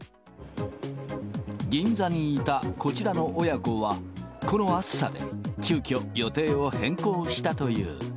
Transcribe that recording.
銀座にいたこちらの親子はこの暑さで、急きょ、予定を変更したという。